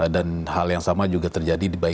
dan hal yang sama juga terjadi di malaya